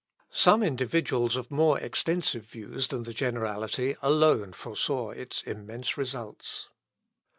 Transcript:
Some individuals of more extensive views than the generality, alone foresaw its immense results.